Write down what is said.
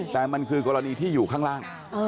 แต่มันคือกรณีที่อยู่ข้างล่าง